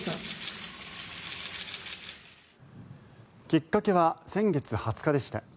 きっかけは先月２０日でした。